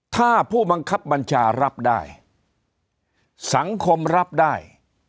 ถ้าผู้บังคับบัญชารับได้สังคมรับได้